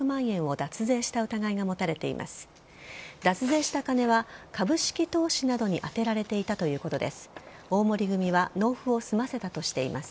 脱税した金は株式投資などに充てられていたということです。